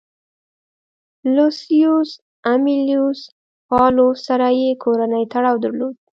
لوسیوس امیلیوس پاولوس سره یې کورنی تړاو درلود